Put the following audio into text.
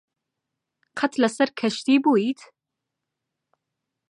قەت لەسەر کەشتی بوویت؟